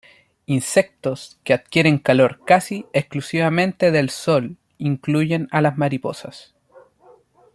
Insectos que adquieren calor casi exclusivamente del sol incluyen a las mariposas.